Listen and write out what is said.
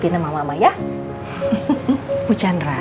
iya ma aku tau aku capek ma